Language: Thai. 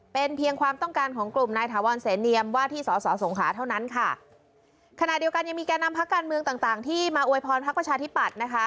เป็นเพียงความต้องการของกลุ่มนายถาวรเสนียมว่าที่สอสอสงขาเท่านั้นค่ะขณะเดียวกันยังมีแก่นำพักการเมืองต่างต่างที่มาอวยพรพักประชาธิปัตย์นะคะ